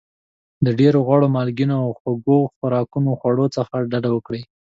د ډېر غوړ مالګېنه او خواږه خوراکونو خواړو څخه ډاډه وکړئ.